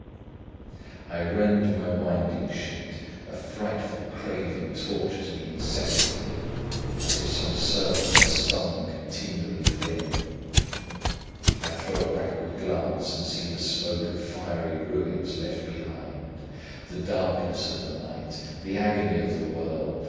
I rend my winding sheet; a frightful craving tortures me incessantly, as if some serpent stung continually within. I throw a backward glance, and see the smoke of fiery ruins left behind; the darkness of the night; the agony of the world.